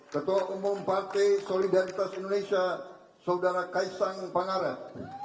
ketua umum partai solidaritas indonesia saudara kaisang pangarat